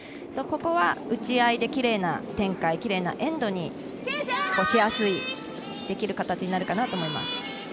ここは打ち合いできれいな展開、きれいなエンドにできる形になるかなと思います。